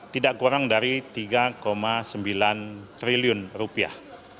tidak kurang dari tiga sembilan triliun rupiah